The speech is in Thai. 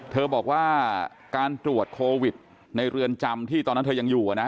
เธอบอกว่าการตรวจโควิดในเรือนจำที่ตอนนั้นเธอยังอยู่นะ